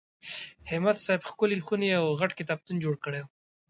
همت صاحب ښکلې خونې او غټ کتابتون جوړ کړی و.